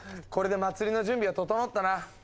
これで祭りの準備は整ったな。